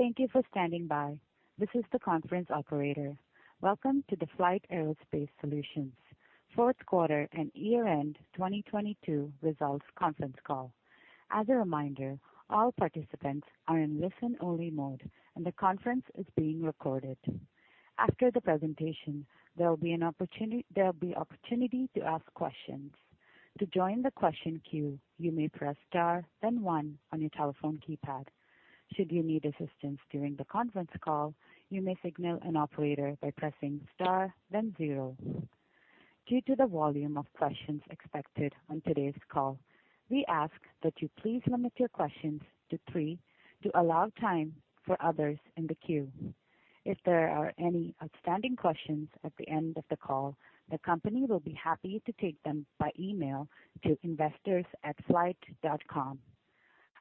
Thank you for standing by. This is the conference operator. Welcome to the FLYHT Aerospace Solutions fourth quarter and year-end 2022 results conference call. As a reminder, all participants are in listen-only mode, and the conference is being recorded. After the presentation, there will be an opportunity to ask questions. To join the question queue, you may press star, then one on your telephone keypad. Should you need assistance during the conference call, you may signal an operator by pressing star then zero. Due to the volume of questions expected on today's call, we ask that you please limit your questions to three to allow time for others in the queue. If there are any outstanding questions at the end of the call, the company will be happy to take them by email to investors@flyht.com.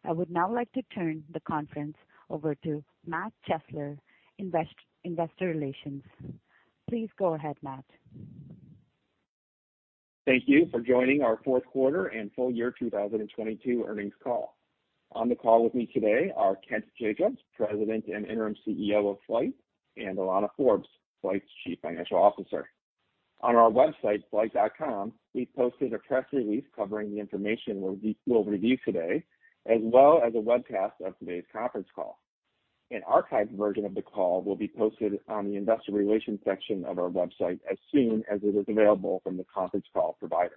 I would now like to turn the conference over to Matt Chesler, investor relations. Please go ahead, Matt. Thank you for joining our fourth quarter and full year 2022 earnings call. On the call with me today are Kent Jacobs, President and Interim CEO of FLYHT, and Alana Forbes, FLYHT's Chief Financial Officer. On our website, FLYHT.com, we posted a press release covering the information we'll review today, as well as a webcast of today's conference call. An archived version of the call will be posted on the investor relations section of our website as soon as it is available from the conference call provider.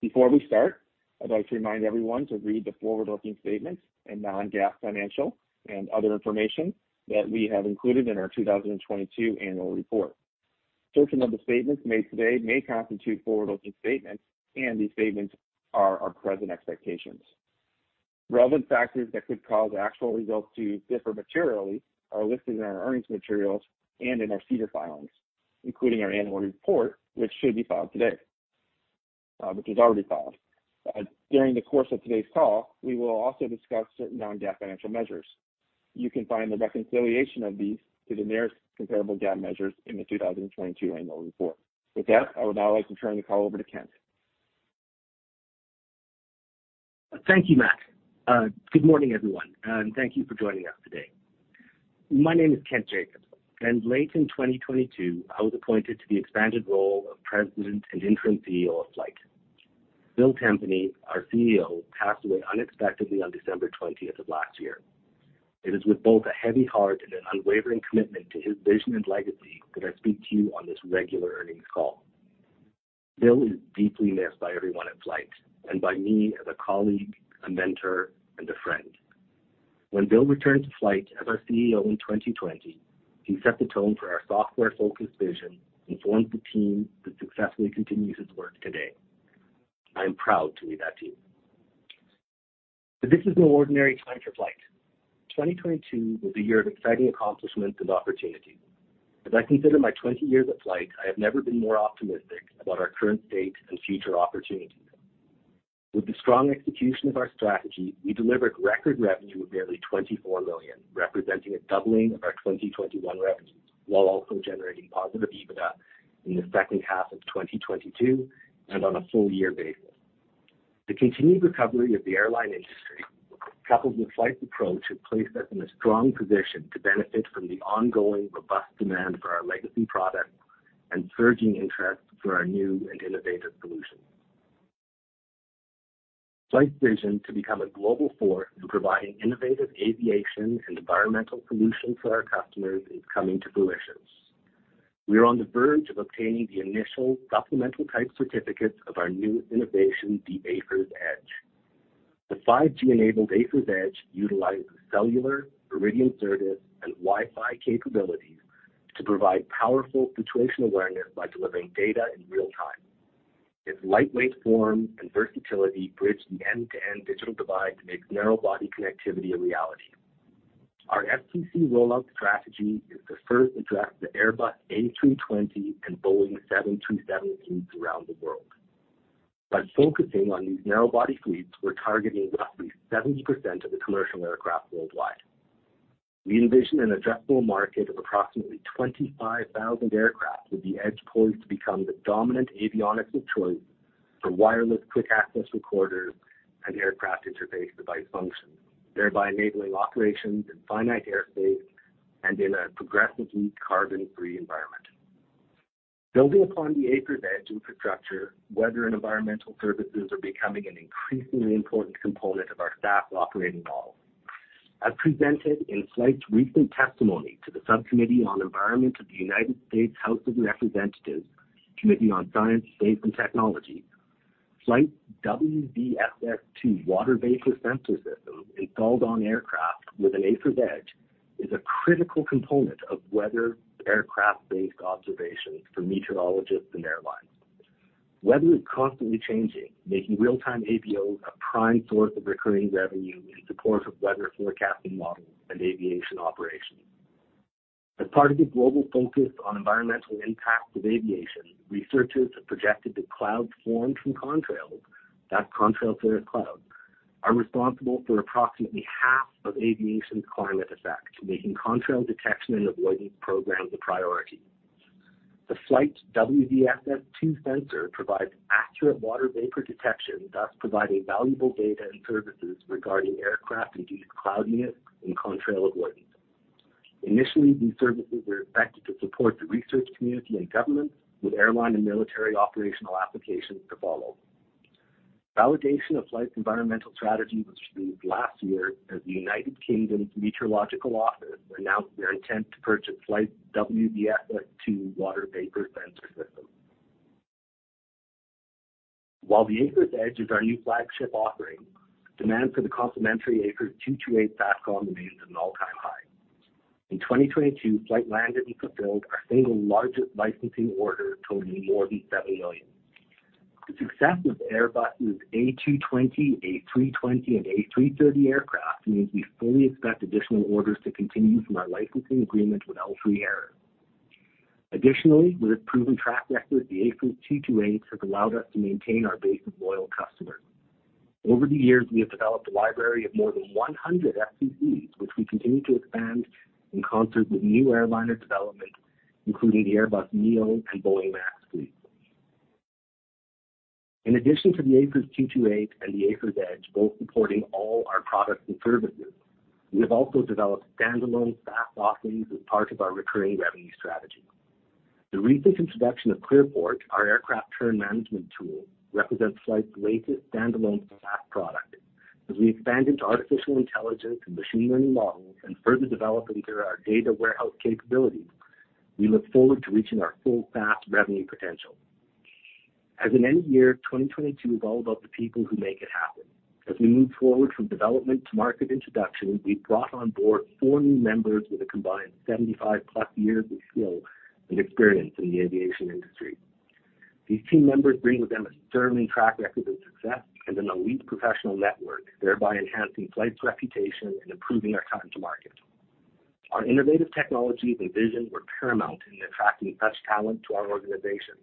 Before we start, I'd like to remind everyone to read the forward-looking statements and non-GAAP financial and other information that we have included in our 2022 annual report. Certain of the statements made today may constitute forward-looking statements. These statements are our present expectations. Relevant factors that could cause actual results to differ materially are listed in our earnings materials and in our SEDAR filings, including our annual report, which should be filed today, which was already filed. During the course of today's call, we will also discuss certain non-GAAP financial measures. You can find the reconciliation of these to the nearest comparable GAAP measures in the 2022 annual report. With that, I would now like to turn the call over to Kent. Thank you, Matt. Good morning, everyone, and thank you for joining us today. My name is Kent Jacobs. Late in 2022, I was appointed to the expanded role of President and Interim CEO of FLYHT. Bill Tempany, our CEO, passed away unexpectedly on December 20th of last year. It is with both a heavy heart and an unwavering commitment to his vision and legacy that I speak to you on this regular earnings call. Bill is deeply missed by everyone at FLYHT and by me as a colleague, a mentor, and a friend. When Bill returned to FLYHT as our CEO in 2020, he set the tone for our software-focused vision and formed the team that successfully continues his work today. I'm proud to lead that team. This is no ordinary time for FLYHT. 2022 was a year of exciting accomplishments and opportunities. As I consider my 20 years at FLYHT, I have never been more optimistic about our current state and future opportunities. With the strong execution of our strategy, we delivered record revenue of nearly 24 million, representing a doubling of our 2021 revenue, while also generating positive EBITDA in the second half of 2022 and on a full-year basis. The continued recovery of the airline industry, coupled with FLYHT's approach, has placed us in a strong position to benefit from the ongoing robust demand for our legacy products and surging interest for our new and innovative solutions. FLYHT's vision to become a global force in providing innovative aviation and environmental solutions for our customers is coming to fruition. We are on the verge of obtaining the initial Supplemental Type Certificates of our new innovation, the AFIRS Edge. The 5G-enabled AFIRS Edge utilizes cellular Iridium service and Wi-Fi capabilities to provide powerful situational awareness by delivering data in real time. Its lightweight form and versatility bridge the end-to-end digital divide to make narrow-body connectivity a reality. Our FTC rollout strategy is to first address the Airbus A320 and Boeing 737 fleets around the world. By focusing on these narrow-body fleets, we're targeting roughly 70% of the commercial aircraft worldwide. We envision an addressable market of approximately 25,000 aircraft, with the Edge poised to become the dominant avionics of choice for wireless quick access recorders and aircraft interface device functions, thereby enabling operations in finite airspace and in a progressively carbon-free environment. Building upon the AFIRS Edge infrastructure, weather and environmental services are becoming an increasingly important component of our SaaS operating model. As presented in FLYHT's recent testimony to the Subcommittee on Environment of the United States House of Representatives Committee on Science, Space, and Technology, FLYHT's WVSS-II water-based sensor system installed on aircraft with an AFIRS Edge is a critical component of weather aircraft-based observations for meteorologists and airlines. Weather is constantly changing, making real-time ABOs a prime source of recurring revenue in support of weather forecasting models and aviation operations. As part of the global focus on environmental impacts of aviation, researchers have projected that clouds formed from contrails, that's contrail cirrus cloud, are responsible for approximately half of aviation's climate effect, making contrail detection and avoidance programs a priority. The FLYHT-WVSS-II sensor provides accurate water vapor detection, thus providing valuable data and services regarding aircraft-induced cloudiness and contrail avoidance. Initially, these services are expected to support the research community and government with airline and military operational applications to follow. Validation of FLYHT's environmental strategy was received last year as the Met Office announced their intent to purchase FLYHT-WVSS-II water vapor sensor system. While the AFIRS Edge is our new flagship offering, demand for the complementary AFIRS 228 SaaS call remains at an all-time high. In 2022, FLYHT landed and fulfilled our single largest licensing order, totaling more than 7 million. The success of Airbus' A220, A320, and A330 aircraft means we fully expect additional orders to continue from our licensing agreement with L3Harris. Additionally, with a proven track record, the AFIRS 228 has allowed us to maintain our base of loyal customers. Over the years, we have developed a library of more than 100 FCVs, which we continue to expand in concert with new airliner development, including the Airbus NEO and Boeing MAX fleets. In addition to the AFIRS 228 and the AFIRS Edge, both supporting all our products and services, we have also developed standalone SaaS offerings as part of our recurring revenue strategy. The recent introduction of ClearPort, our aircraft turn management tool, represents FLYHT's latest standalone SaaS product. As we expand into artificial intelligence and machine learning models and further develop and adhere our data warehouse capabilities, we look forward to reaching our full SaaS revenue potential. As in any year, 2022 is all about the people who make it happen. As we move forward from development to market introduction, we've brought on board four new members with a combined 75+ years of skill and experience in the aviation industry. These team members bring with them a sterling track record of success and an elite professional network, thereby enhancing FLYHT's reputation and improving our time to market. Our innovative technologies and vision were paramount in attracting such talent to our organization.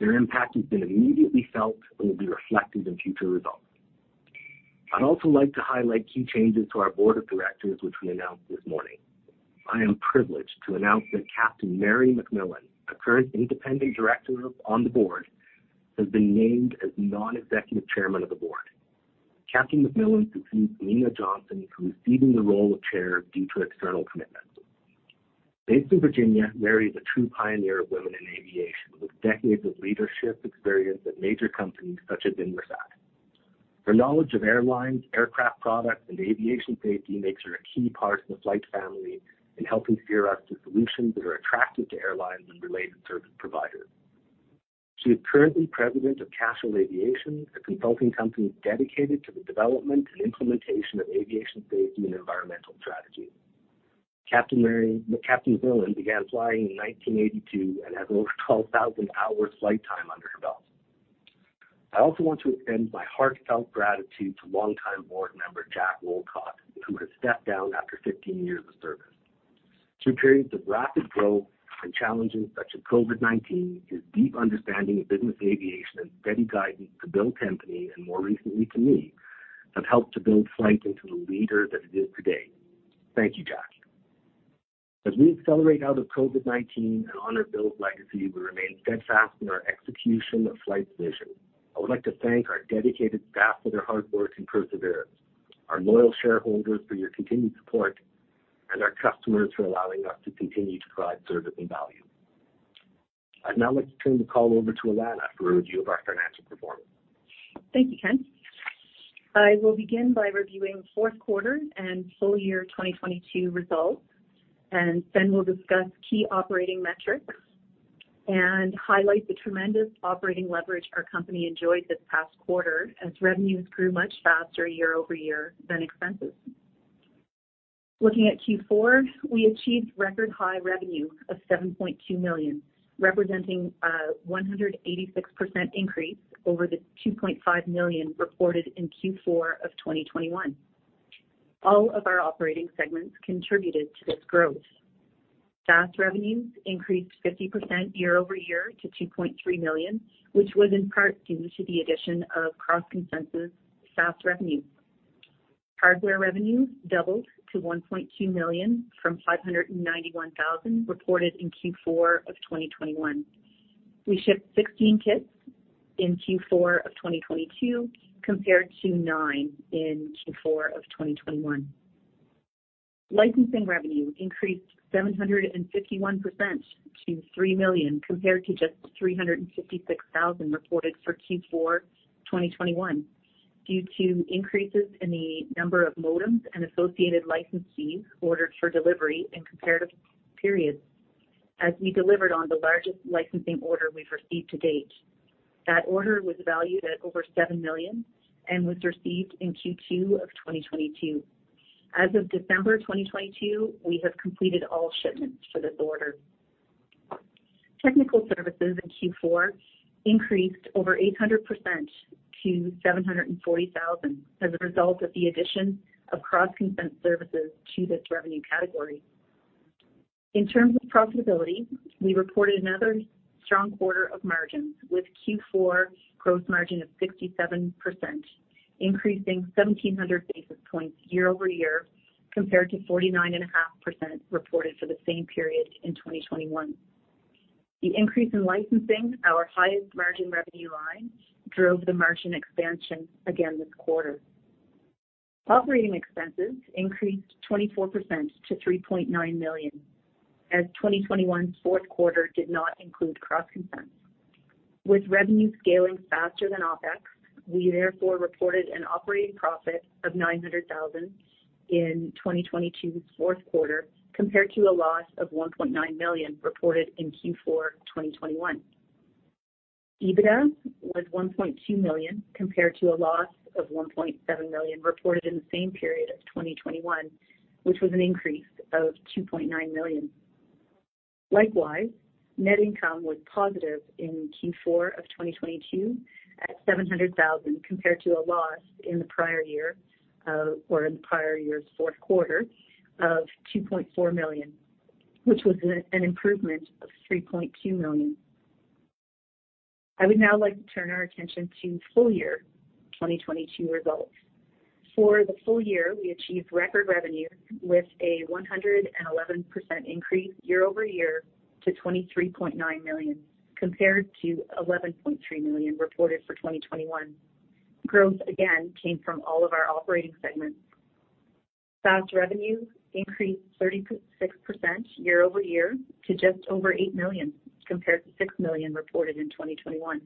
Their impact has been immediately felt and will be reflected in future results. I'd also like to highlight key changes to our board of directors, which we announced this morning. I am privileged to announce that Captain Mary McMillan, a current independent director on the board, has been named as non-executive chairman of the board. Captain McMillan succeeds Nina Jonsson, who is ceding the role of chair due to external commitments. Based in Virginia, Mary is a true pioneer of women in aviation with decades of leadership experience at major companies such as Inmarsat. Her knowledge of airlines, aircraft products, and aviation safety makes her a key part of the FLYHT family in helping steer us to solutions that are attractive to airlines and related service providers. She is currently President of Castle Aviation, a consulting company dedicated to the development and implementation of aviation safety and environmental strategy. Captain McMillan began flying in 1982 and has over 12,000 hours of flight time under her belt. I also want to extend my heartfelt gratitude to longtime board member Jack Olcott, who has stepped down after 15 years of service. Through periods of rapid growth and challenges such as COVID-19, his deep understanding of business aviation and steady guidance to Bill Tempany, and more recently to me, have helped to build FLYHT into the leader that it is today. Thank you, Jack. As we accelerate out of COVID-19 and honor Bill's legacy, we remain steadfast in our execution of FLYHT's vision. I would like to thank our dedicated staff for their hard work and perseverance, our loyal shareholders for your continued support, and our customers for allowing us to continue to provide service and value. I'd now like to turn the call over to Alana for a review of our financial performance. Thank you, Kent. I will begin by reviewing fourth quarter and full year 2022 results, and then we'll discuss key operating metrics and highlight the tremendous operating leverage our company enjoyed this past quarter as revenues grew much faster year-over-year than expenses. Looking at Q4, we achieved record high revenue of 7.2 million, representing a 186% increase over the 2.5 million reported in Q4 of 2021. All of our operating segments contributed to this growth. SaaS revenues increased 50% year-over-year to 2.3 million, which was in part due to the addition of CrossConsense SaaS revenue. Hardware revenue doubled to 1.2 million from 591,000 reported in Q4 of 2021. We shipped 16 kits in Q4 of 2022 compared to nine in Q4 of 2021. Licensing revenue increased 751% to 3 million compared to just 356,000 reported for Q4 2021 due to increases in the number of modems and associated license fees ordered for delivery in comparative periods as we delivered on the largest licensing order we've received to date. That order was valued at over 7 million and was received in Q2 2022. As of December 2022, we have completed all shipments for this order. Technical services in Q4 increased over 800% to 740,000 as a result of the addition of CrossConsense services to this revenue category. In terms of profitability, we reported another strong quarter of margins with Q4 gross margin of 67%, increasing 1,700 basis points year-over-year. Compared to 49.5% reported for the same period in 2021. The increase in licensing, our highest margin revenue line, drove the margin expansion again this quarter. OpEx increased 24% to 3.9 million, as 2021 fourth quarter did not include CrossConsense. With revenue scaling faster than OpEx, we therefore reported an operating profit of 900,000 in 2022's fourth quarter, compared to a loss of 1.9 million reported in Q4 2021. EBITDA was 1.2 million compared to a loss of 1.7 million reported in the same period of 2021, which was an increase of 2.9 million. Likewise, net income was positive in Q4 of 2022 at 700,000 compared to a loss in the prior year, or in the prior year's fourth quarter of 2.4 million, which was an improvement of 3.2 million. I would now like to turn our attention to full year 2022 results. For the full year, we achieved record revenue with a 111% increase year-over-year to 23.9 million, compared to 11.3 million reported for 2021. Growth again came from all of our operating segments. SaaS revenue increased 36% year-over-year to just over 8 million, compared to 6 million reported in 2021.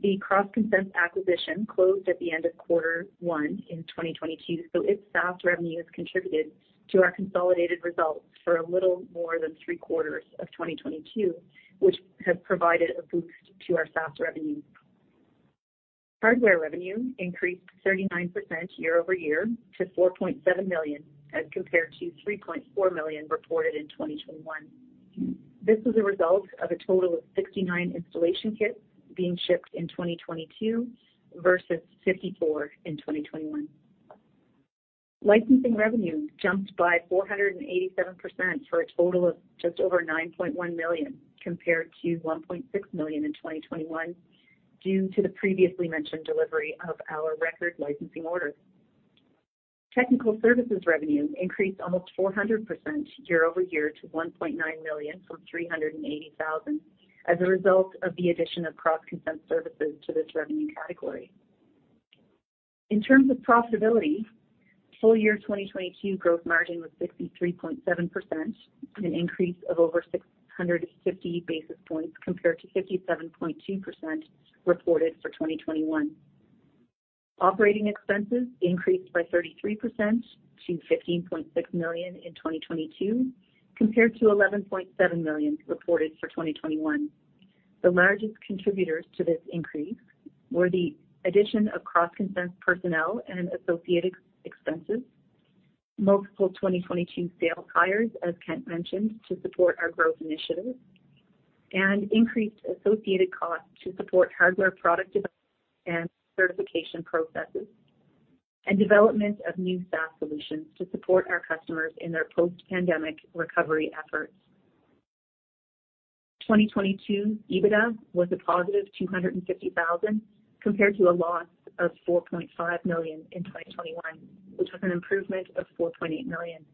The CrossConsense acquisition closed at the end of quarter one in 2022, its SaaS revenue has contributed to our consolidated results for a little more than three quarters of 2022, which has provided a boost to our SaaS revenue. Hardware revenue increased 39% year-over-year to 4.7 million, as compared to 3.4 million reported in 2021. This was a result of a total of 69 installation kits being shipped in 2022 versus 54 in 2021. Licensing revenue jumped by 487% for a total of just over 9.1 million, compared to 1.6 million in 2021 due to the previously mentioned delivery of our record licensing orders. Technical services revenue increased almost 400% year-over-year to 1.9 million from 380,000 as a result of the addition of CrossConsense services to this revenue category. In terms of profitability, full year 2022 growth margin was 63.7%, an increase of over 650 basis points compared to 57.2% reported for 2021. Operating expenses increased by 33% to 15.6 million in 2022 compared to 11.7 million reported for 2021. The largest contributors to this increase were the addition of CrossConsense personnel and associated expenses. Multiple 2022 sales hires, as Kent mentioned, to support our growth initiatives and increased associated costs to support hardware product development and certification processes and development of new SaaS solutions to support our customers in their post-pandemic recovery efforts. 2022 EBITDA was a positive 250 thousand compared to a loss of 4.5 million in 2021, which was an improvement of 4.8 million.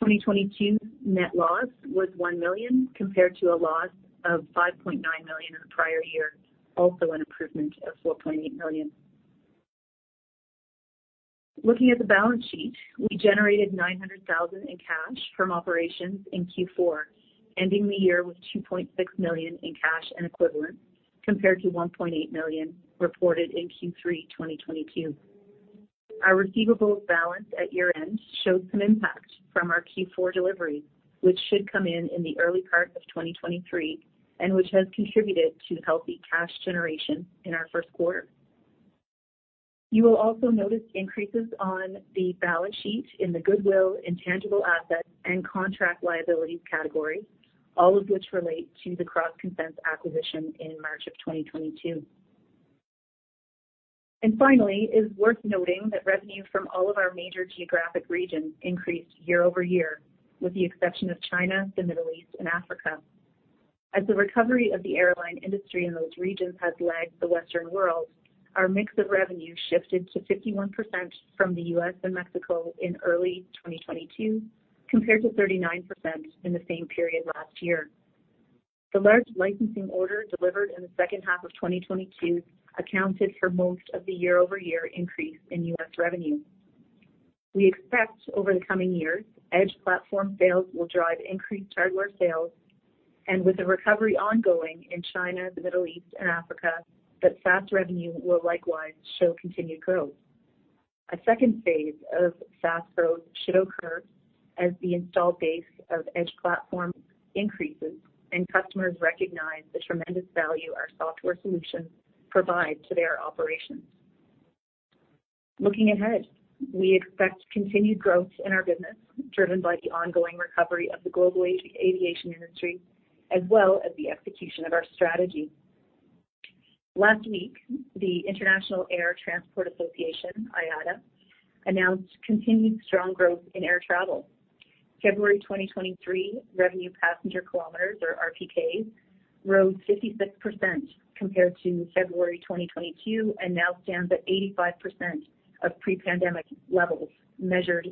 The 2022 net loss was 1 million compared to a loss of 5.9 million in the prior year, also an improvement of 4.8 million. Looking at the balance sheet, we generated 900 thousand in cash from operations in Q4, ending the year with 2.6 million in cash and equivalents compared to 1.8 million reported in Q3 2022. Our receivables balance at year-end showed some impact from our Q4 deliveries, which should come in in the early part of 2023, and which has contributed to healthy cash generation in our first quarter. You will also notice increases on the balance sheet in the goodwill, intangible assets, and contract liabilities category, all of which relate to the CrossConsense acquisition in March of 2022. Finally, it is worth noting that revenue from all of our major geographic regions increased year-over-year, with the exception of China, the Middle East, and Africa. As the recovery of the airline industry in those regions has lagged the Western world, our mix of revenue shifted to 51% from the U.S. and Mexico in early 2022, compared to 39% in the same period last year. The large licensing order delivered in the second half of 2022 accounted for most of the year-over-year increase in U.S. revenue. We expect over the coming years, Edge platform sales will drive increased hardware sales and with the recovery ongoing in China, the Middle East and Africa, that SaaS revenue will likewise show continued growth. A second phase of SaaS growth should occur as the installed base of Edge platforms increases and customers recognize the tremendous value our software solutions provide to their operations. Looking ahead, we expect continued growth in our business, driven by the ongoing recovery of the global aviation industry, as well as the execution of our strategy. Last week, the International Air Transport Association, IATA, announced continued strong growth in air travel. February 2023 revenue passenger kilometers or RPKs rose 56% compared to February 2022, and now stand at 85% of pre-pandemic levels measured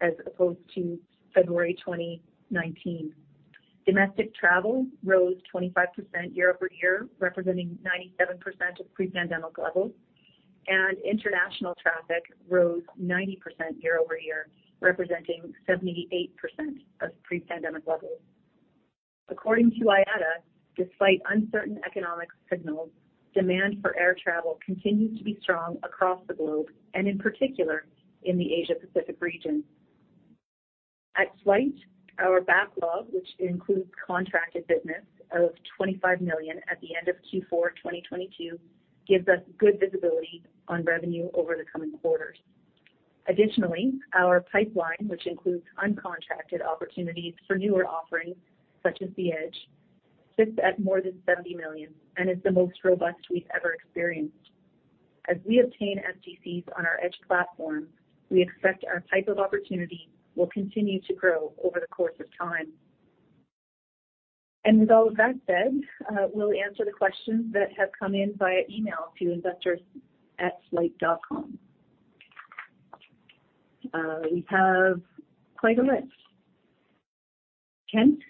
as opposed to February 2019. Domestic travel rose 25% year-over-year, representing 97% of pre-pandemic levels. International traffic rose 90% year-over-year, representing 78% of pre-pandemic levels. According to IATA, despite uncertain economic signals, demand for air travel continues to be strong across the globe, and in particular in the Asia-Pacific region. At FLYHT, our backlog, which includes contracted business of 25 million at the end of Q4 2022, gives us good visibility on revenue over the coming quarters. Additionally, our pipeline, which includes uncontracted opportunities for newer offerings such as the Edge, sits at more than 70 million and is the most robust we've ever experienced. As we obtain STCs on our Edge platform, we expect our type of opportunity will continue to grow over the course of time. With all of that said, we'll answer the questions that have come in via email to investors@FLYHT.com. We have quite a list. Kent,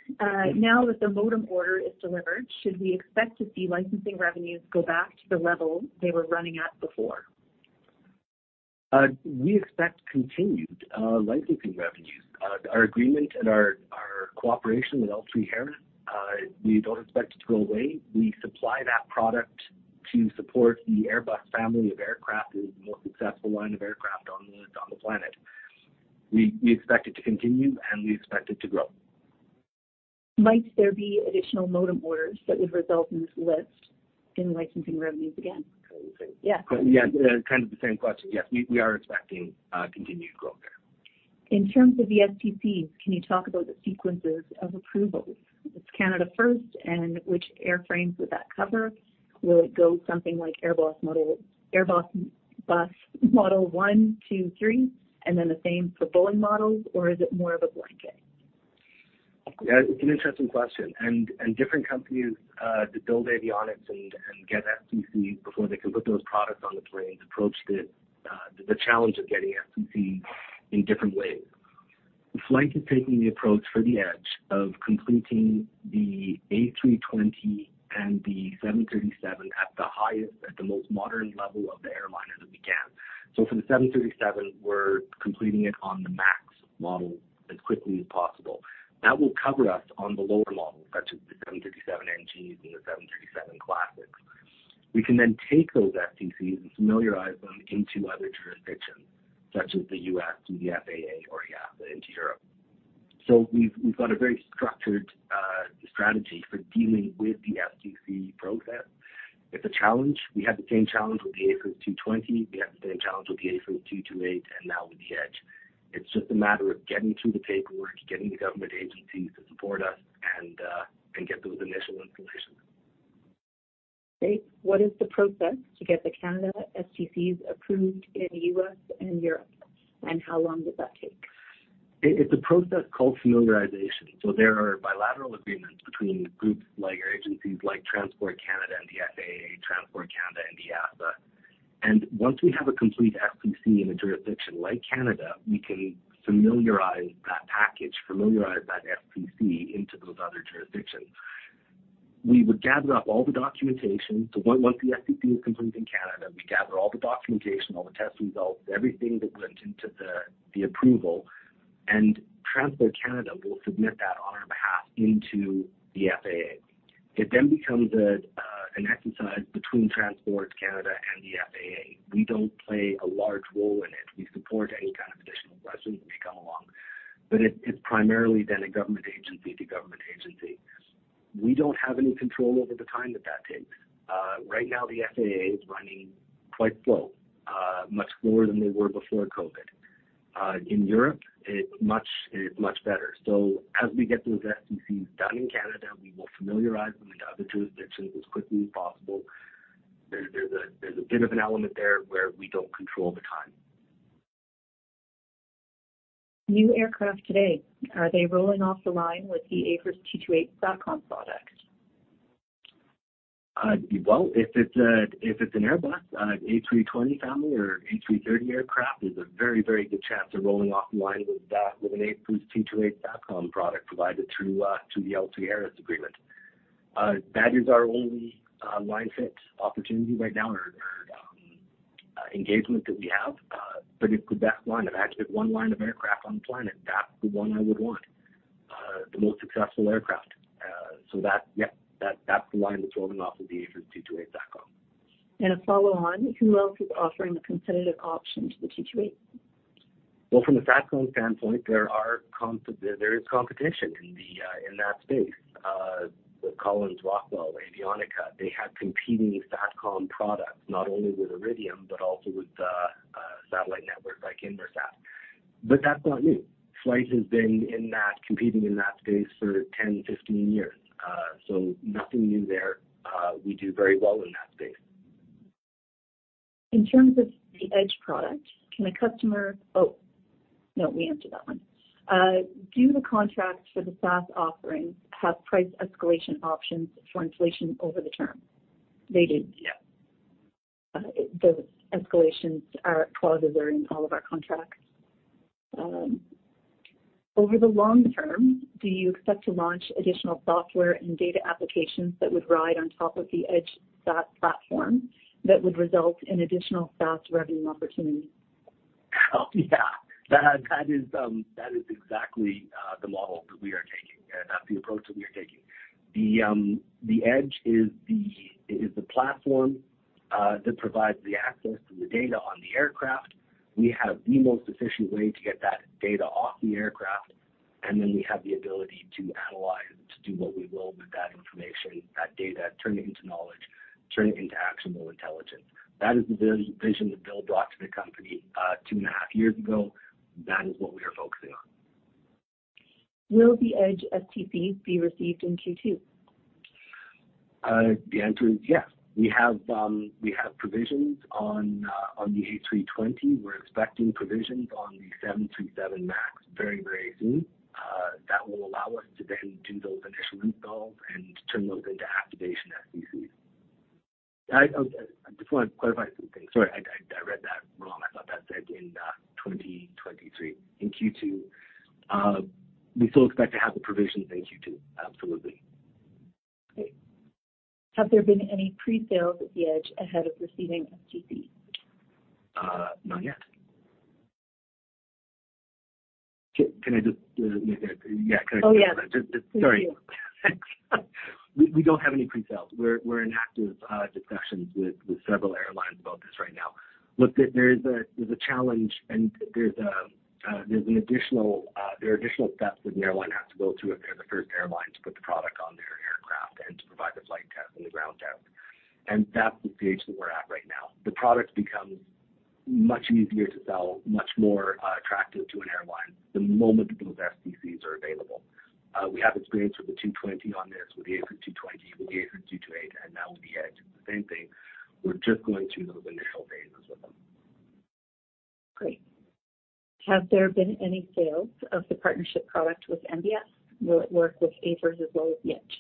now that the modem order is delivered, should we expect to see licensing revenues go back to the level they were running at before? We expect continued licensing revenues. Our agreement and our cooperation with L3Harris, we don't expect it to go away. We supply that product to support the Airbus family of aircraft. It is the most successful line of aircraft on the planet. We expect it to continue, and we expect it to grow. Might there be additional modem orders that would result in this lift in licensing revenues again? Yeah. Kind of the same question. Yes, we are expecting continued growth there. In terms of the STCs, can you talk about the sequences of approvals? It's Canada first, and which airframes would that cover? Will it go something like Airbus model one, two, three, and then the same for Boeing models, or is it more of a blanket? Yeah, it's an interesting question. Different companies that build avionics and get STCs before they can put those products on the planes approach the challenge of getting STCs in different ways. FLYHT is taking the approach for the Edge of completing the A320 and the 737 at the highest, at the most modern level of the airliner that we can. For the 737, we're completing it on the MAX model as quickly as possible. That will cover us on the lower models such as the 737 NGs and the 737 Classics. We can then take those STCs and familiarize them into other jurisdictions such as the U.S., through the FAA or EASA into Europe. We've got a very structured strategy for dealing with the STC process. It's a challenge. We had the same challenge with the AFIRS 220. We had the same challenge with the AFIRS 228 and now with the Edge. It's just a matter of getting through the paperwork, getting the government agencies to support us and get those initial installations. Okay, what is the process to get the Canada STCs approved in the U.S. and Europe, and how long does that take? It's a process called familiarization. There are bilateral agreements between groups like, or agencies like Transport Canada and the FAA, Transport Canada and the EASA. Once we have a complete STC in a jurisdiction like Canada, we can familiarize that package, familiarize that STC into those other jurisdictions. We would gather up all the documentation. Once the STC is complete in Canada, we gather all the documentation, all the test results, everything that went into the approval, Transport Canada will submit that on our behalf into the FAA. It then becomes an exercise between Transport Canada and the FAA. We don't play a large role in it. We support any kind of additional questions that may come along, but it's primarily then a government agency to government agency. We don't have any control over the time that that takes. Right now, the FAA is running quite slow, much slower than they were before COVID. In Europe, it's much better. As we get those STCs done in Canada, we will familiarize them into other jurisdictions as quickly as possible. There's a bit of an element there where we don't control the time. New aircraft today, are they rolling off the line with the AFIRS 228 SATCOM product? Well, if it's a, if it's an Airbus A320 family or A330 aircraft, there's a very, very good chance of rolling off the line with that, with an AFIRS 228 SATCOM product provided through the L3Harris agreement. That is our only line fit opportunity right now or engagement that we have. It's the best line. If I had to pick one line of aircraft on the planet, that's the one I would want. The most successful aircraft. That's, yeah, that's the line that's rolling off with the AFIRS 228 SATCOM. A follow on, who else is offering a competitive option to the AFIRS 228? Well, from the SATCOM standpoint, there is competition in that space. The Collins, Rockwell, Avionica, they have competing SATCOM products not only with Iridium, but also with satellite networks like Inmarsat. That's not new. FLYHT has been in that competing in that space for 10, 15 years. Nothing new there. We do very well in that space. In terms of the Edge product. Oh, no, we answered that one. Do the contracts for the SaaS offerings have price escalation options for inflation over the term? They do, yeah. Those escalations are, clauses are in all of our contracts. Over the long term, do you expect to launch additional software and data applications that would ride on top of the Edge SaaS platform that would result in additional SaaS revenue opportunities? Yeah. That is exactly the model that we are taking, That's the approach that we are taking. The Edge is the platform that provides the access to the data on the aircraft. We have the most efficient way to get that data off the aircraft. We have the ability to analyze, to do what we will with that information, that data, turn it into knowledge, turn it into actionable intelligence. That is the vision that Bill brought to the company, two and a half years ago. That is what we are focusing on. Will the Edge STCs be received in Q2? The answer is yes. We have, we have provisions on the A320. We're expecting provisions on the 737 MAX very, very soon. That will allow us to then do those initial installs and turn those into activation STCs. I just want to clarify some things. Sorry. I read that wrong. I thought that said in 2023. In Q2, we still expect to have the provisions in Q2. Absolutely. Great. Have there been any pre-sales at the Edge ahead of receiving STC? Not yet. Can I just Yeah. Oh, yeah. Can I just... Please do. Sorry. We don't have any pre-sales. We're in active discussions with several airlines about this right now. Look, there is a challenge and there's an additional, there are additional steps that an airline has to go through if they're the first airline to put the product on their aircraft and to provide the flight test and the ground test. That's the stage that we're at right now. The product becomes much easier to sell, much more attractive to an airline the moment those STCs are available. We have experience with the 220 on this, with the AFIRS 220, with the AFIRS 228, and now with the Edge. The same thing, we're just going through those initial phases with them. Great. Have there been any sales of the partnership product with NBF? Will it work with AFIRS as well as the Edge?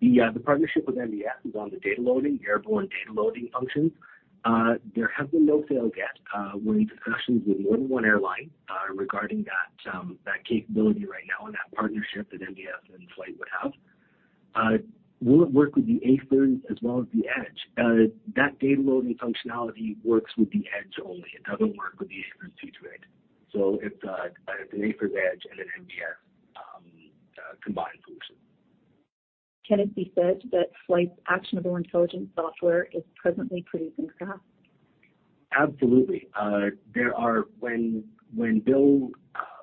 Yeah. The partnership with NBF is on the data loading, airborne data loading functions. There have been no sales yet. We're in discussions with more than one airline regarding that capability right now and that partnership that NBF and FLYHT would have. Will it work with the AFIRS as well as the Edge? That data loading functionality works with the Edge only. It doesn't work with the AFIRS 228. It's an AFIRS Edge and an NBF combined function. Can it be said that FLYHT's actionable intelligence software is presently producing SaaS? Absolutely. There are...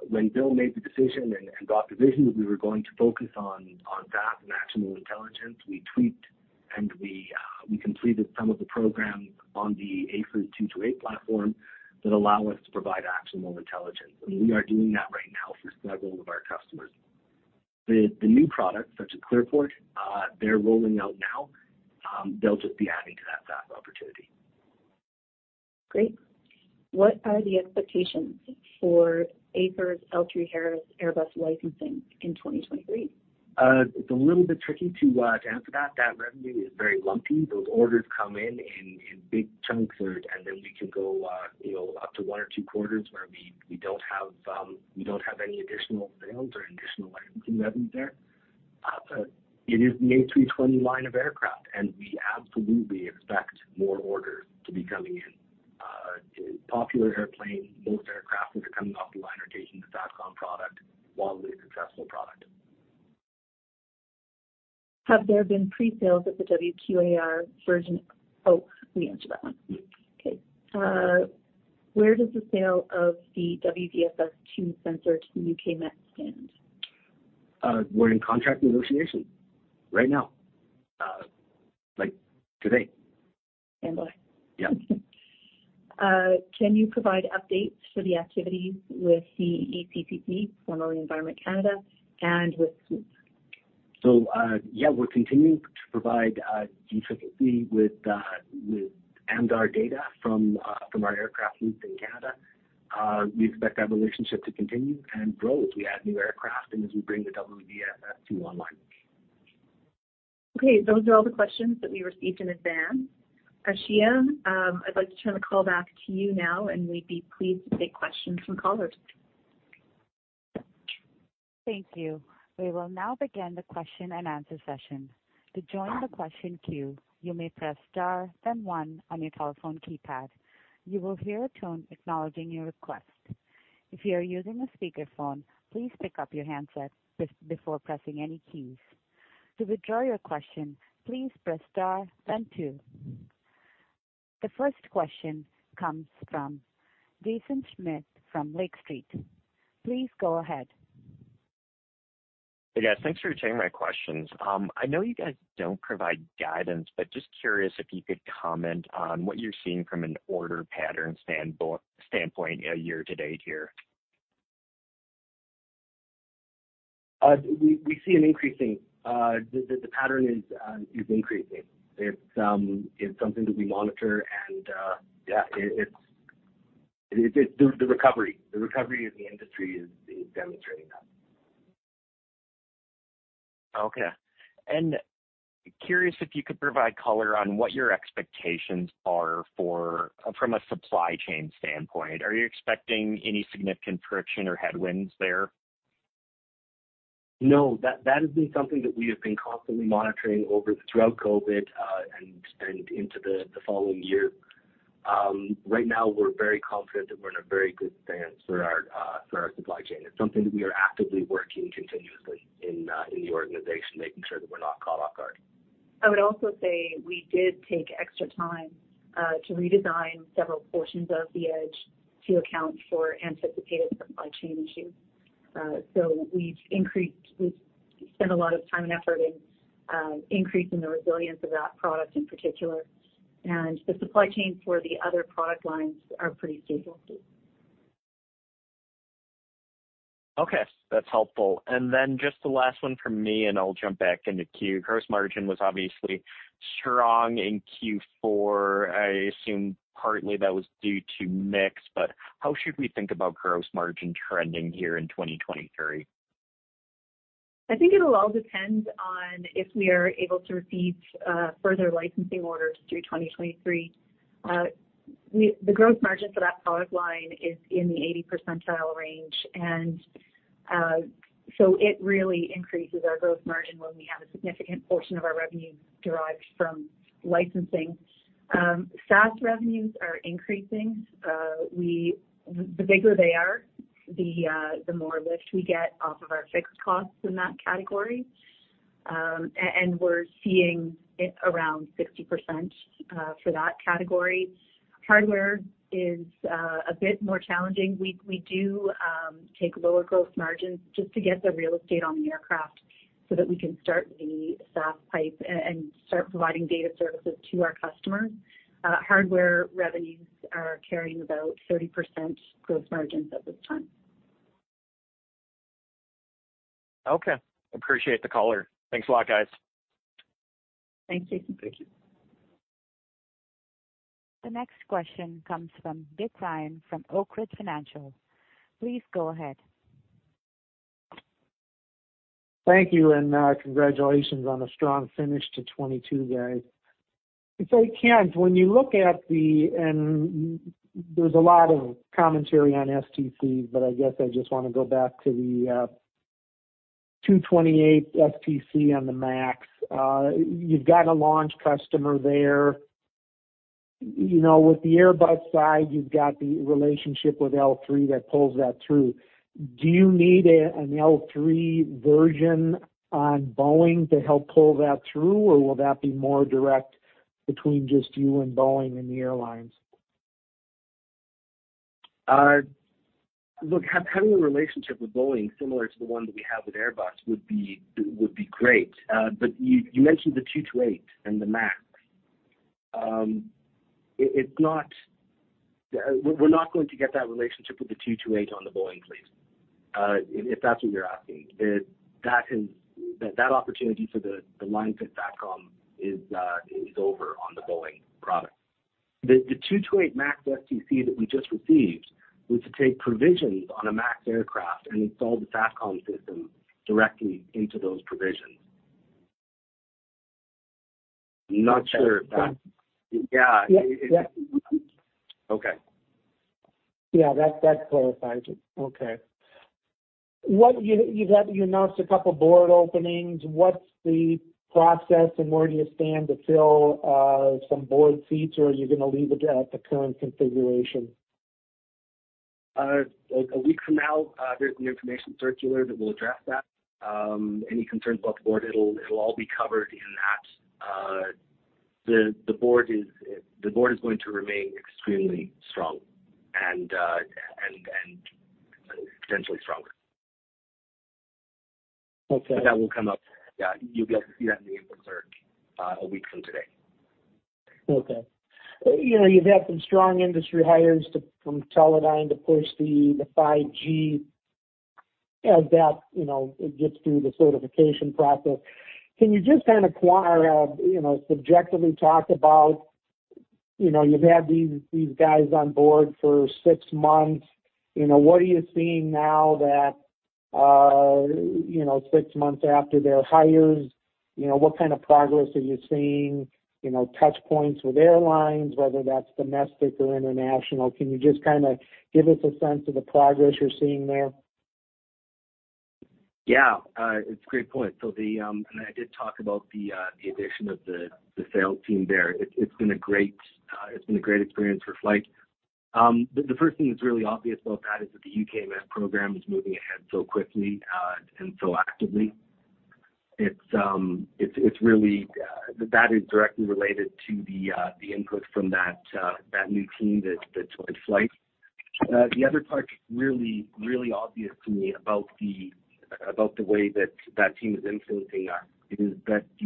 When Bill made the decision and brought the vision that we were going to focus on SaaS and actionable intelligence, we tweaked and we completed some of the programs on the AFIRS 228 platform that allow us to provide actionable intelligence. We are doing that right now for several of our customers. The new products, such as ClearPort, they're rolling out now, they'll just be adding to that SaaS opportunity. Great. What are the expectations for AFIRS L3Harris Airbus licensing in 2023? It's a little bit tricky to answer that. That revenue is very lumpy. Those orders come in big chunks, and then we can go, you know, up to one or two quarters where we don't have any additional sales or additional licensing revenue there. It is an A320 line of aircraft, and we absolutely expect more orders to be coming in. Popular airplane, most aircraft that are coming off the line are taking the SATCOM product. Wildly successful product. Have there been pre-sales at the WQAR version. Oh, we answered that one. Okay. Where does the sale of the WVSS-II sensor to the U.K. Met stand? We're in contract negotiation right now. Like today. Stand by. Yeah. Can you provide updates for the activities with the ECCC, formerly Environment Canada, and with Swoop? Yeah, we're continuing to provide G3C with AMDAR data from our aircraft leased in Canada. We expect that relationship to continue and grow as we add new aircraft and as we bring the WVSS-II online. Okay. Those are all the questions that we received in advance. Ashia, I'd like to turn the call back to you now. We'd be pleased to take questions from callers. Thank you. We will now begin the question-and-answer session. To join the question queue, you may press star then one on your telephone keypad. You will hear a tone acknowledging your request. If you are using a speakerphone, please pick up your handset before pressing any keys. To withdraw your question, please press star then two. The first question comes from Jaeson Schmidt from Lake Street. Please go ahead. Hey, guys. Thanks for taking my questions. I know you guys don't provide guidance, but just curious if you could comment on what you're seeing from an order pattern standpoint year-to-date here. We see an increasing, the pattern is increasing. It's something that we monitor and, yeah, the recovery of the industry is demonstrating that. Okay. Curious if you could provide color on what your expectations are from a supply chain standpoint. Are you expecting any significant friction or headwinds there? No. That has been something that we have been constantly monitoring throughout COVID, and into the following year. Right now we're very confident that we're in a very good stance for our supply chain. It's something that we are actively working continuously in the organization, making sure that we're not caught off guard. I would also say we did take extra time to redesign several portions of the Edge to account for anticipated supply chain issues. We've spent a lot of time and effort in increasing the resilience of that product in particular. The supply chain for the other product lines are pretty stable. Okay. That's helpful. Just the last one from me, and I'll jump back in the queue. Gross margin was obviously strong in Q4. I assume partly that was due to mix. How should we think about gross margin trending here in 2023? I think it'll all depend on if we are able to receive further licensing orders through 2023. The gross margin for that product line is in the 80% range. It really increases our gross margin when we have a significant portion of our revenue derived from licensing. SaaS revenues are increasing. The bigger they are, the more lift we get off of our fixed costs in that category. And we're seeing it around 60% for that category. Hardware is a bit more challenging. We do take lower gross margins just to get the real estate on the aircraft so that we can start the SaaS pipe and start providing data services to our customers. Hardware revenues are carrying about 30% gross margins at this time. Okay. Appreciate the color. Thanks a lot, guys. Thanks, Jaeson. Thank you. The next question comes from Dick Ryan from Oak Ridge Financial. Please go ahead. Thank you, congratulations on a strong finish to 2022, guys. If I can, when you look at the... there's a lot of commentary on STCs, but I guess I just wanna go back to the two twenty-eight STC on the MAX. You've got a launch customer there. You know, with the Airbus side, you've got the relationship with L3Harris that pulls that through. Do you need an L3Harris version on Boeing to help pull that through, or will that be more direct between just you and Boeing and the airlines? Look, having a relationship with Boeing similar to the one that we have with Airbus would be great. You mentioned the AFIRS 228 and the MAX. It's not. We're not going to get that relationship with the AFIRS 228 on the Boeing fleet, if that's what you're asking. That opportunity for the line fit SATCOM is over on the Boeing product. The AFIRS 228 MAX STC that we just received was to take provisions on a MAX aircraft and install the SATCOM system directly into those provisions. I'm not sure if that. Okay. Yeah. Yeah. Yeah. Okay. Yeah, that clarifies it. Okay. You announced a couple board openings. What's the process and where do you stand to fill some board seats, or are you gonna leave it at the current configuration? A week from now, there's an information circular that will address that. Any concerns about the board, it'll all be covered in that. The board is going to remain extremely strong and potentially stronger. Okay. That will come up. Yeah, you'll get, you'll have the info circ, a week from today. Okay. You know, you've had some strong industry hires to from Teledyne to push the 5G as that, you know, it gets through the certification process. Can you just kind of quantify or, you know, subjectively talk about, you know, you've had these guys on board for six months. You know, what are you seeing now that, you know, six months after their hires, you know, what kind of progress are you seeing, you know, touch points with airlines, whether that's domestic or international? Can you just kind of give us a sense of the progress you're seeing there? Yeah. It's a great point. I did talk about the addition of the sales team there. It's been a great experience for FLYHT. The first thing that's really obvious about that is that the U.K. Met program is moving ahead so quickly and so actively. It's really. That is directly related to the input from that new team that joined FLYHT. The other part really obvious to me about the, about the way that that team is influencing us is that to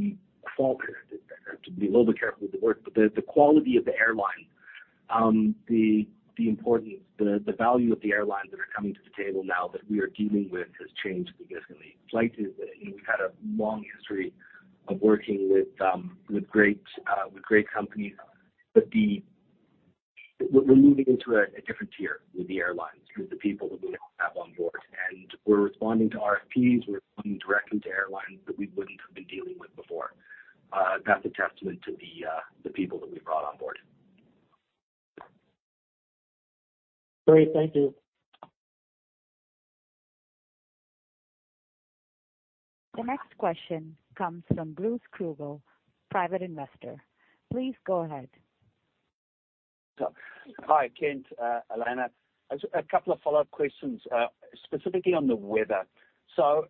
be a little bit careful with the word, but the quality of the airline, the importance, the value of the airlines that are coming to the table now that we are dealing with has changed significantly. FLYHT. We've had a long history of working with great companies. The. We're, we're moving into a different tier with the airlines with the people that we now have on board, and we're responding to RFPs, we're responding directly to airlines that we wouldn't have been dealing with before. That's a testament to the people that we've brought on board. Great. Thank you. The next question comes from Bruce Krugel, private investor. Please go ahead. Hi, Kent, Alana. A couple of follow-up questions specifically on the weather. Per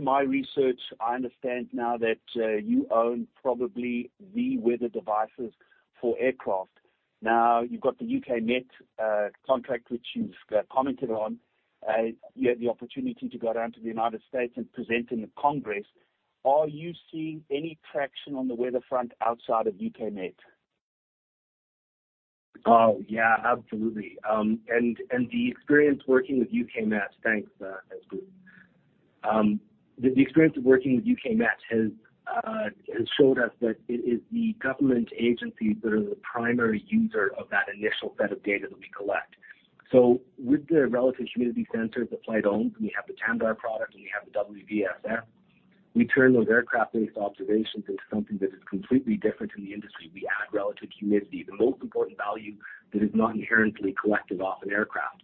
my research, I understand now that you own probably the weather devices for aircraft. Now, you've got the UK Met contract, which you've commented on, you had the opportunity to go down to the United States and present in the Congress. Are you seeing any traction on the weather front outside of UK Met? Yeah, absolutely. The experience working with U.K. Met. Thanks, that's good. The experience of working with U.K. Met has shown us that it is the government agencies that are the primary user of that initial set of data that we collect. With the relative humidity sensors that FLYHT owns, we have the TAMDAR product, and we have the WVSS-II. We turn those aircraft-based observations into something that is completely different in the industry. We add relative humidity, the most important value that is not inherently collected off an aircraft.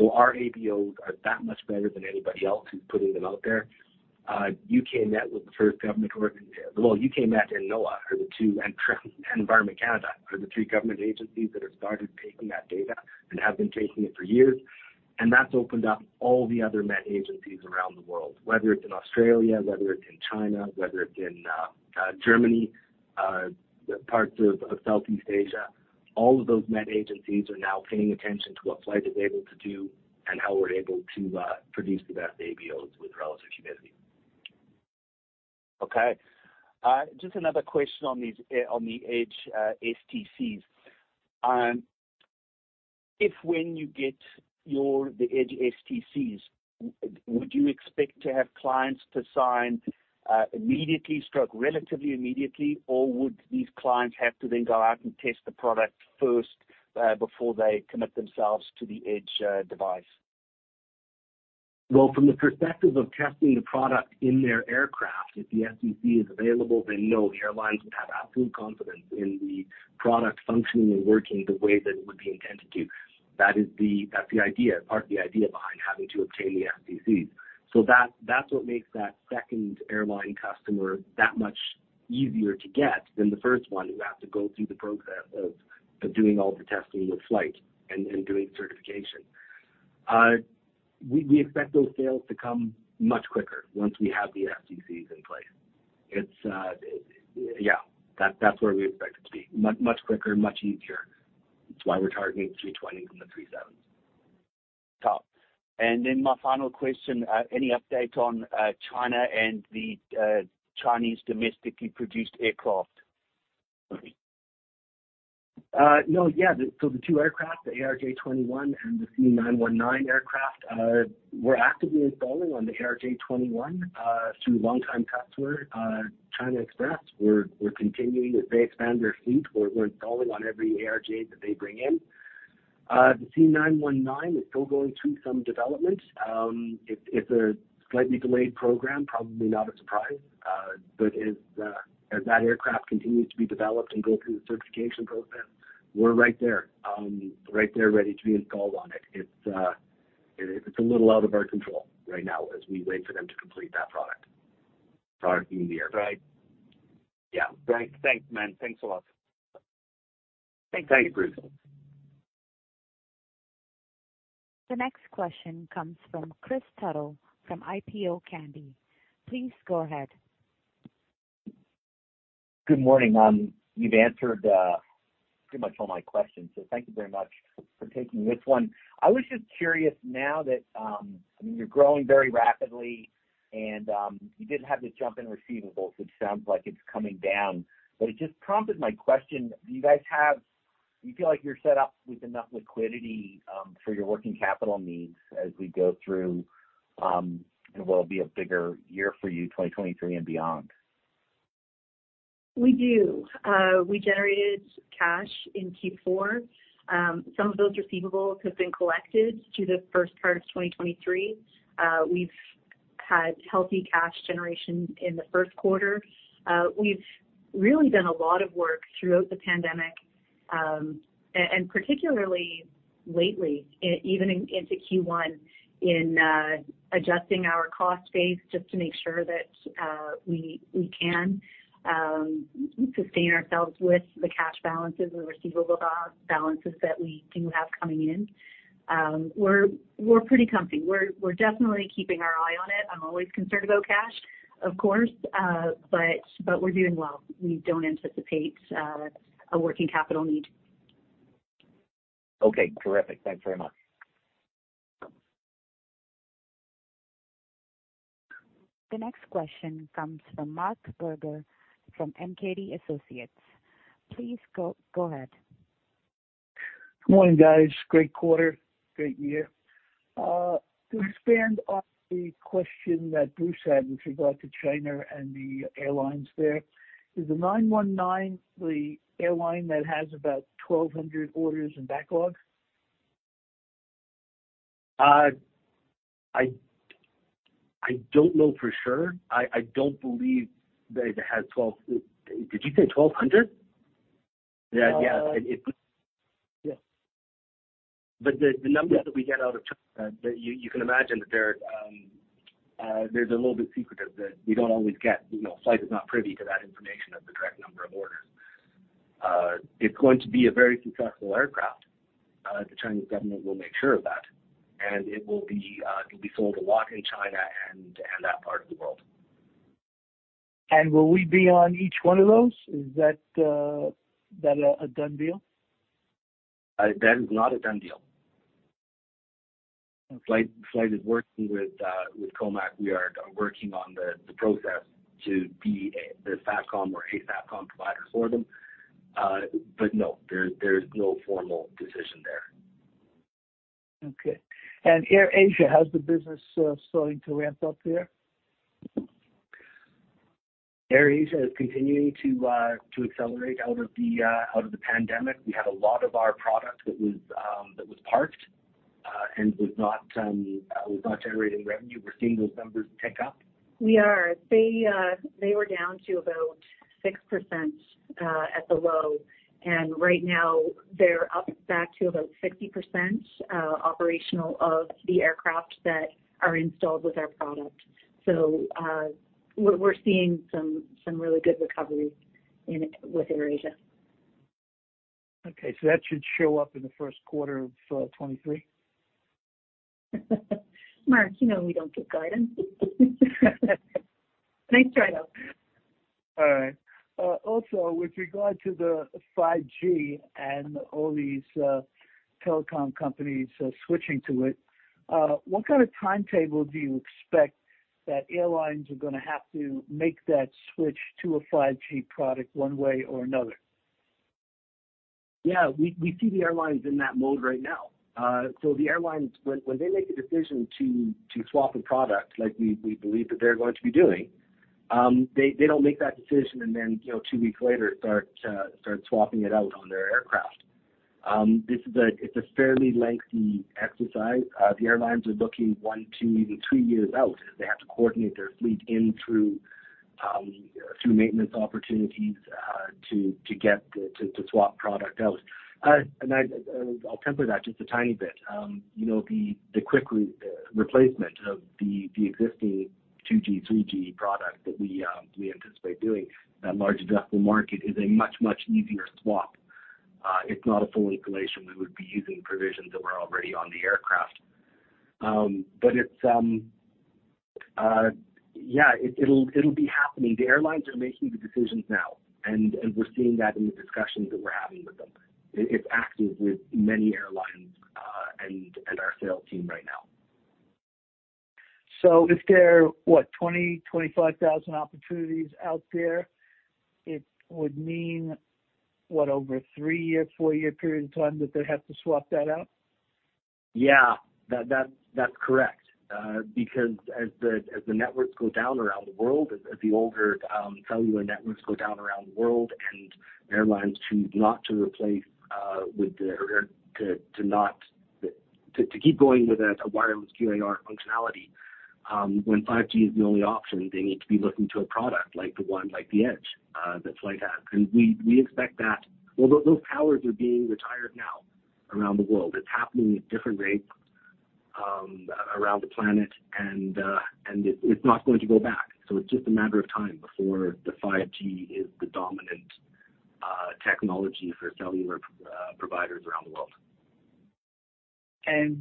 Our ABOs are that much better than anybody else who's putting them out there. U.K. Met was the first government organization. Well, U.K. Met and NOAA are the two, and Environment Canada are the three government agencies that have started taking that data and have been taking it for years. That's opened up all the other met agencies around the world, whether it's in Australia, whether it's in China, whether it's in Germany, parts of Southeast Asia. All of those met agencies are now paying attention to what FLYHT is able to do and how we're able to produce the best ABOs with relative humidity. Okay. Just another question on these, on the Edge, STCs. If when you get the Edge STCs, would you expect to have clients to sign, immediately/relatively immediately or would these clients have to then go out and test the product first, before they commit themselves to the Edge, device? From the perspective of testing the product in their aircraft, if the STC is available, then no. Airlines would have absolute confidence in the product functioning and working the way that it would be intended to. That's the idea, part of the idea behind having to obtain the STCs. That's what makes that second airline customer that much easier to get than the first one who has to go through the process of doing all the testing with FLYHT and doing certification. We expect those sales to come much quicker once we have the STCs in place. It's. Yeah, that's where we expect it to be. Much quicker, much easier. It's why we're targeting the 320 from the 737s. Top. My final question, any update on China and the Chinese domestically produced aircraft? No. The two aircraft, the ARJ21 and the C919 aircraft, we're actively installing on the ARJ21 through longtime customer China Express Airlines. We're continuing. As they expand their fleet, we're installing on every ARJ that they bring in. The C919 is still going through some development. It's a slightly delayed program, probably not a surprise. As that aircraft continues to be developed and go through the certification process, we're right there ready to be installed on it. It's a little out of our control right now as we wait for them to complete that product in the air. Right. Yeah. Great. Thanks, man. Thanks a lot. Thanks. Thank you, Bruce. The next question comes from Kris Tuttle from IPO Candy. Please go ahead. Good morning. You've answered pretty much all my questions, so thank you very much for taking this one. I was just curious now that, I mean, you're growing very rapidly, and you did have this jump in receivables, which sounds like it's coming down. It just prompted my question. Do you feel like you're set up with enough liquidity for your working capital needs as we go through what will be a bigger year for you, 2023 and beyond? We do. We generated cash in Q4. Some of those receivables have been collected through the first part of 2023. We've had healthy cash generation in the first quarter. We've really done a lot of work throughout the pandemic, and particularly lately, even into Q1, adjusting our cost base just to make sure that we can sustain ourselves with the cash balances and receivable balances that we do have coming in. We're pretty comfy. We're definitely keeping our eye on it. I'm always concerned about cash, of course. We're doing well. We don't anticipate a working capital need. Okay. Terrific. Thanks very much. The next question comes from Marc Berger from MKB Associates. Please go ahead. Good morning, guys. Great quarter. Great year. To expand on the question that Bruce had with regard to China and the airlines there, is the C919 the airline that has about 1,200 orders in backlog? I don't know for sure. I don't believe that it has 12... Did you say 1,200? Yeah. Yes. The numbers that we get out of China, you can imagine that they're a little bit secretive. We don't always get, you know, FLYHT is not privy to that information of the correct number of orders. It's going to be a very successful aircraft. The Chinese government will make sure of that. It will be, it'll be sold a lot in China and that part of the world. Will we be on each one of those? Is that a done deal? That is not a done deal. FLYHT is working with COMAC. We are working on the process to be a, the SATCOM or a SATCOM provider for them. No, there's no formal decision there. Okay. AirAsia, how's the business starting to ramp up there? AirAsia is continuing to accelerate out of the pandemic. We had a lot of our product that was parked and was not generating revenue. We're seeing those numbers tick up. We are. They were down to about 6%, at the low. Right now they're up back to about 60%, operational of the aircraft that are installed with our product. We're seeing some really good recovery in, with AirAsia. Okay. that should show up in the first quarter of, 2023? Marc, you know we don't give guidance. Nice try, though. All right. Also with regard to the 5G and all these telecom companies switching to it, what kind of timetable do you expect that airlines are gonna have to make that switch to a 5G product one way or another? Yeah. We see the airlines in that mode right now. The airlines, when they make a decision to swap a product like we believe that they're going to be doing, they don't make that decision and then, you know, two weeks later start swapping it out on their aircraft. This is a fairly lengthy exercise. The airlines are looking one to even three years out. They have to coordinate their fleet in through maintenance opportunities to get the to swap product out. I'll temper that just a tiny bit. You know, the quick replacement of the existing 2G, 3G product that we anticipate doing, that large addressable market is a much easier swap. It's not a full installation. We would be using provisions that were already on the aircraft. It's, yeah, it'll be happening. The airlines are making the decisions now, and we're seeing that in the discussions that we're having with them. It's active with many airlines, and our sales team right now. If there are, what, 20,000-25,000 opportunities out there, it would mean, what, over a three-year, four-year period of time that they'd have to swap that out? That's correct. Because as the networks go down around the world, as the older cellular networks go down around the world and airlines choose not to replace to keep going with a wireless QAR functionality, when 5G is the only option, they need to be looking to a product like the Edge that FLYHT has. We expect that... Well, those towers are being retired now around the world. It's happening at different rates around the planet. It's not going to go back. It's just a matter of time before the 5G is the dominant technology for cellular providers around the world.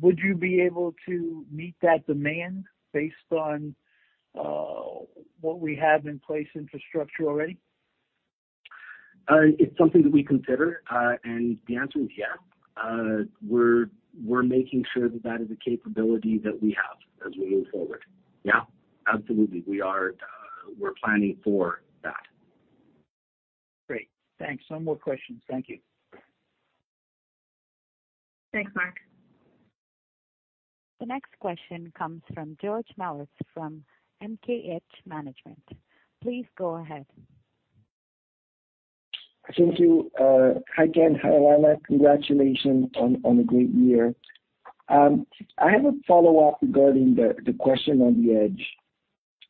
Would you be able to meet that demand based on what we have in place infrastructure already? It's something that we consider, and the answer is yes. We're making sure that that is a capability that we have as we move forward. Yeah. Absolutely. We are, we're planning for that. Great. Thanks. No more questions. Thank you. Thanks, Marc. The next question comes from George Malitz from MKH Management. Please go ahead. Thank you. Hi again. Hi, Alana. Congratulations on a great year. I have a follow-up regarding the question on the Edge.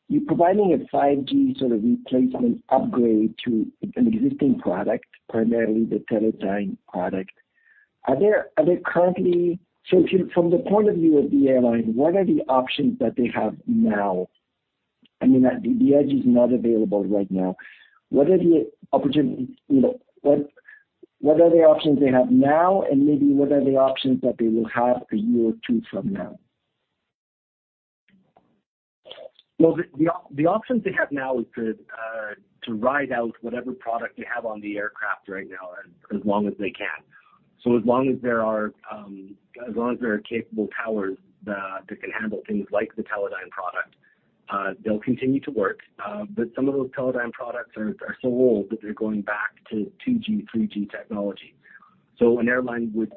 You're providing a 5G sort of replacement upgrade to an existing product, primarily the Teledyne product. From the point of view of the airline, what are the options that they have now? I mean, the Edge is not available right now. What are the opportunities, you know, what are the options they have now? Maybe what are the options that they will have a year or two from now? The options they have now is to ride out whatever product they have on the aircraft right now as long as they can. As long as there are capable towers that can handle things like the Teledyne product, they'll continue to work. Some of those Teledyne products are so old that they're going back to 2G, 3G technology. An airline would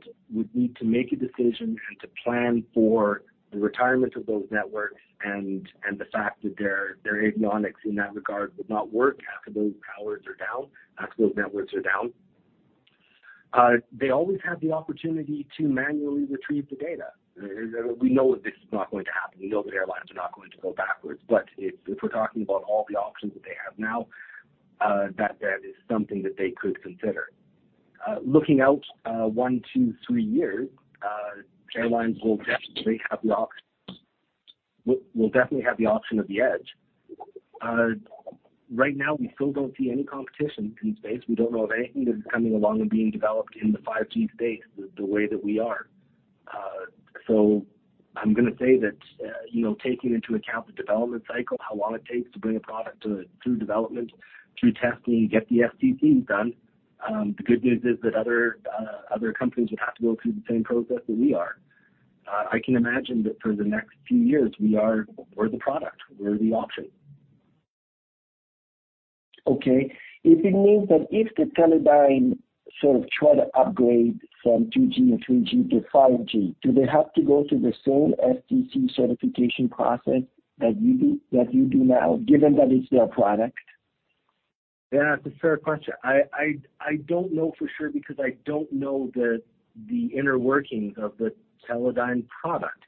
need to make a decision and to plan for the retirement of those networks and the fact that their avionics in that regard would not work half of those towers are down, half those networks are down. They always have the opportunity to manually retrieve the data. We know that this is not going to happen. We know that airlines are not going to go backwards, if we're talking about all the options that they have now, that is something that they could consider. Looking out one to three years, airlines will definitely have the option of the Edge. Right now, we still don't see any competition in space. We don't know of anything that is coming along and being developed in the 5G space the way that we are. I'm gonna say that, you know, taking into account the development cycle, how long it takes to bring a product through development, through testing, get the STCs done, the good news is that other companies would have to go through the same process that we are. I can imagine that for the next few years, we are, we're the product. We're the option. Okay. If it means that if the Teledyne sort of try to upgrade from 2G or 3G to 5G, do they have to go through the same STC certification process that you do, that you do now, given that it's their product? Yeah, that's a fair question. I don't know for sure because I don't know the inner workings of the Teledyne product.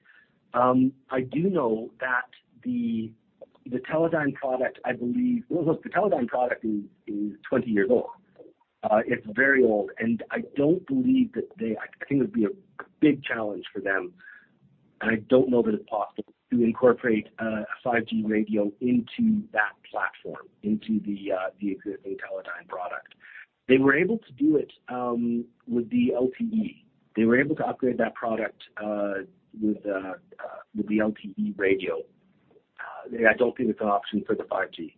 I do know that the Teledyne product, I believe. Well, look, the Teledyne product is 20 years old. It's very old, and I don't believe that they. I think it would be a big challenge for them, and I don't know that it's possible to incorporate a 5G radio into that platform, into the existing Teledyne product. They were able to do it with the LTE. They were able to upgrade that product with the LTE radio. I don't think it's an option for the 5G.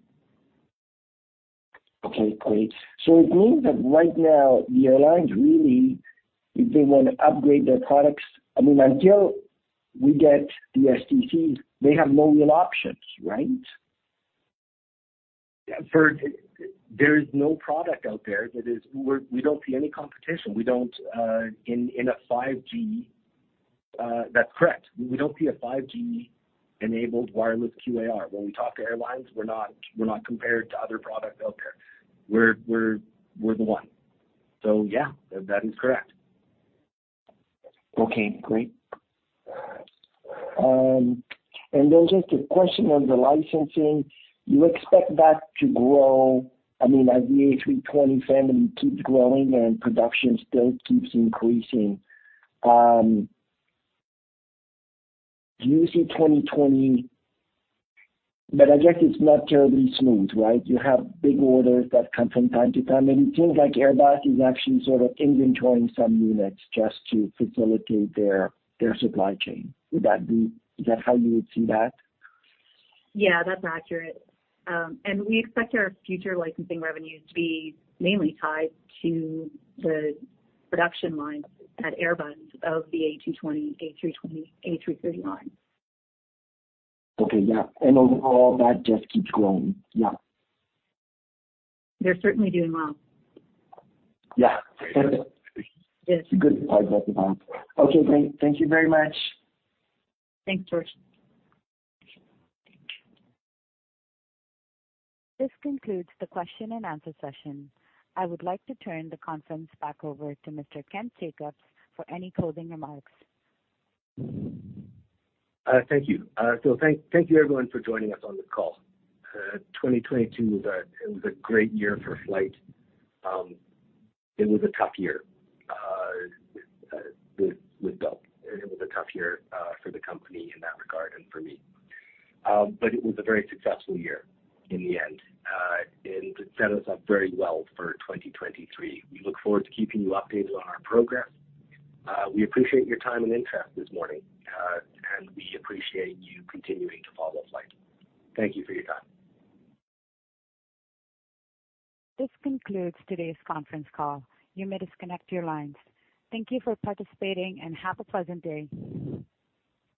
Okay, great. It means that right now the airlines really, if they wanna upgrade their products, I mean, until we get the STCs, they have no real options, right? There is no product out there. We don't see any competition. We don't. In a 5G, that's correct. We don't see a 5G-enabled wireless QAR. When we talk to airlines, we're not compared to other product out there. We're the one. Yeah, that is correct. Okay, great. Then just a question on the licensing. You expect that to grow, as the A320 family keeps growing and production still keeps increasing. Do you see 2020? I guess it's not terribly smooth. You have big orders that come from time to time, and it seems like Airbus is actually sort of inventorying some units just to facilitate their supply chain. Is that how you would see that? Yeah, that's accurate. We expect our future licensing revenues to be mainly tied to the production lines at Airbus of the A220, A320, A330 lines. Okay, yeah. Overall, that just keeps growing. Yeah. They're certainly doing well. Yeah. Yes. Good times at the plant. Okay, thank you very much. Thanks, George. This concludes the question-and-answer session. I would like to turn the conference back over to Mr. Kent Jacobs for any closing remarks. Thank you. Thank you everyone for joining us on the call. 2022 was a great year for FLYHT. It was a tough year with Bill. It was a tough year for the company in that regard and for me. It was a very successful year in the end. It set us up very well for 2023. We look forward to keeping you updated on our progress. We appreciate your time and interest this morning. We appreciate you continuing to follow FLYHT. Thank you for your time. This concludes today's conference call. You may disconnect your lines. Thank you for participating, and have a pleasant day.